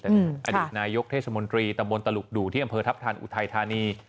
อดีตนายกเทศมนตรีตะบนตลกดุที่อำเภอทัพธันอุทัยธานี